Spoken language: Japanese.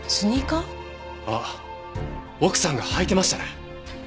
あっ奥さんが履いてましたね。